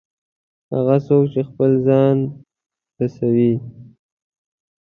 هغه څوک چې خپل ځان رسوي.